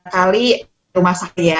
kali rumah sakit ya